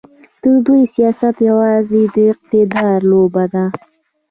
د دوی سیاست یوازې د اقتدار لوبه ده.